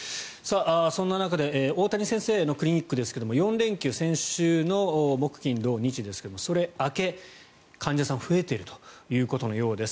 そんな中で、大谷先生のクリニックですけれども４連休先週の木、金、土、日ですがそれ明け、患者さんが増えているということのようです。